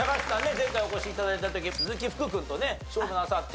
前回お越し頂いた時鈴木福君とね勝負なさって。